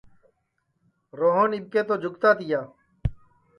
روہن اِٻکے تو جُگتا تِیا